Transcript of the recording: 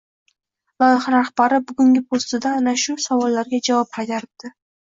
Loyiha rahbari bugungi postida ana shu savollarga javob qaytiribdi.